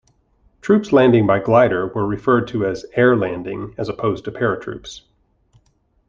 Troops landing by glider were referred to as "air-landing" as opposed to paratroops.